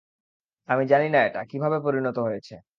আমি জানি না এটা, কীভাবে পরিণত হয়েছে।